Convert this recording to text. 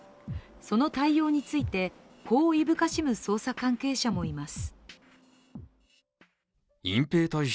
その対応について、こういぶかしむ捜査関係者もいます。